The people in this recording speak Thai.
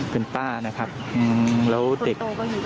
เป็นป้านะครับแล้วเด็ก